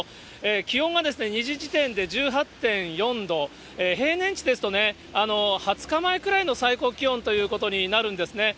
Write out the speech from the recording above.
気温が２時時点で１８．４度、平年値ですとね、２０日前くらいの最高気温ということになるんですね。